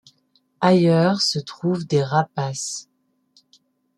Ailleurs se trouvent des rapaces...